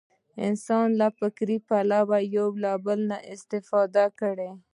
انسان له فکري پلوه له یو بل نه استفاده کړې.